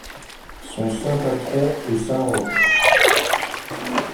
Son saint patron est saint Roch.